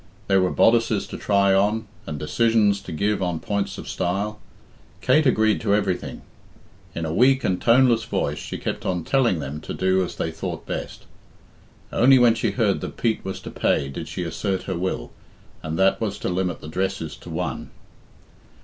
There were bodices to try on, and decisions to give on points of style. Kate agreed to everything. In a weak and toneless voice she kept on telling them to do as they thought hest. Only when she heard that Pete was to pay did she assert her will, and that was to limit the dresses to one.